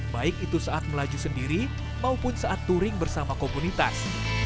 baik itu saat melaju sendiri maupun saat touring bersama komunitas